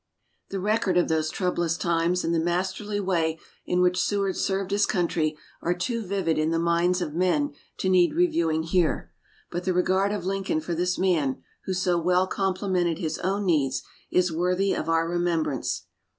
The record of those troublous times and the masterly way in which Seward served his country are too vivid in the minds of men to need reviewing here, but the regard of Lincoln for this man, who so well complemented his own needs, is worthy of our remembrance.